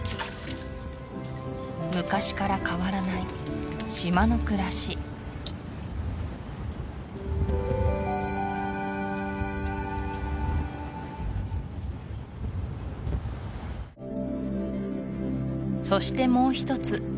昔から変わらない島の暮らしそしてもう一つ